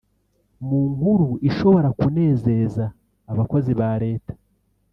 mu nkuru ishobora kunezera abakozi ba Leta